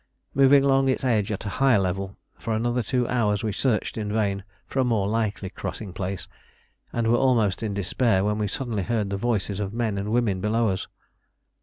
Moving along its edge at a higher level, for another two hours we searched in vain for a more likely crossing place, and were almost in despair when we suddenly heard the voices of men and women below us.